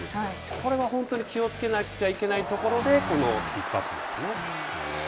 これは本当に気をつけなきゃいけないところでこの一発ですね。